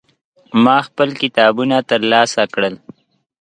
ما خپل کتابونه ترلاسه کړل.